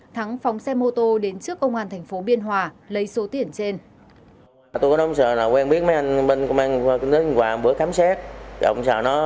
thắng phóng xe mô tô đến trước công an thành phố biên hòa lấy số tiền trên